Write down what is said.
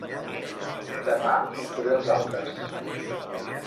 Demà us duré els altres.